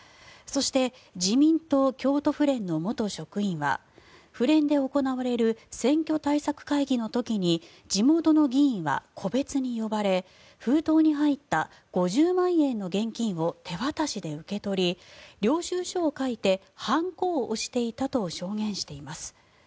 そして自民党京都府連の元職員は府連で行われる選挙対策会議の時に地元の議員は個別に呼ばれ封筒に入った５０万円の現金を手渡しで受け取り領収書を書いて判子を押していたと証言しています。